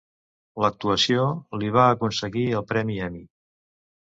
L'actuació li va aconseguir el premi Emmy.